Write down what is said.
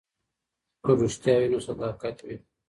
که رښتیا وي نو صداقت وي.